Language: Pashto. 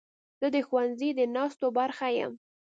زه د ښوونځي د ناستو برخه یم.